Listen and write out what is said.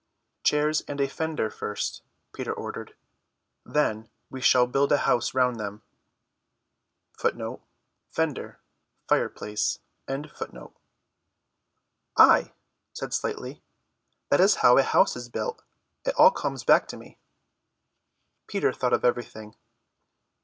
"Chairs and a fender first," Peter ordered. "Then we shall build a house round them." "Ay," said Slightly, "that is how a house is built; it all comes back to me." Peter thought of everything.